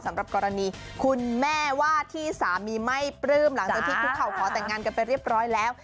สำหรับกรณีคุณแม่ว่าที่สามีไม่ปลื้มหลังจากที่คุกเข่าขอแต่งงานกันไปเรียบร้อยแล้ว